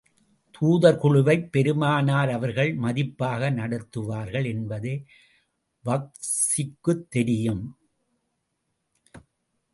தூதர் குழுவைப் பெருமானார் அவர்கள் மதிப்பாக நடத்துவார்கள் என்பது வஹ்ஷிக்குத் தெரியும்.